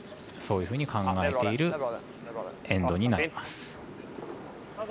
そういうふうに考えているエンドになります。